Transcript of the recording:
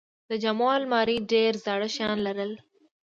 د جامو الماری ډېرې زاړه شیان لرل.